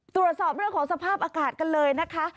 ตรวจสอบเรื่องของสภาพอากาศกันเลยนะคะ